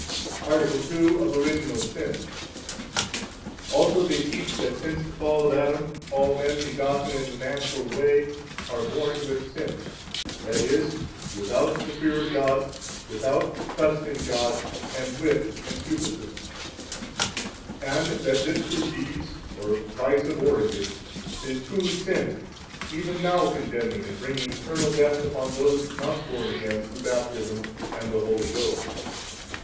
Article II. Of Original Sin. 1 Also they teach that since the fall of Adam all men begotten in the natural way are born with sin, that is, without the fear of God, without trust in God, and with 2 concupiscence; and that this disease, or vice of origin, is truly sin, even now condemning and bringing eternal death upon those not born again through Baptism and the Holy Ghost.